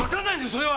それは！